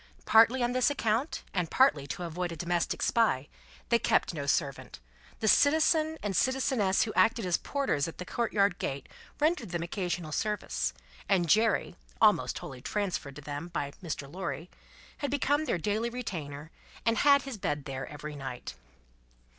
Partly on this account, and partly to avoid a domestic spy, they kept no servant; the citizen and citizeness who acted as porters at the courtyard gate, rendered them occasional service; and Jerry (almost wholly transferred to them by Mr. Lorry) had become their daily retainer, and had his bed there every night.